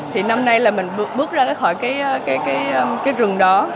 thì năm nay là mình bước ra khỏi cái rừng đó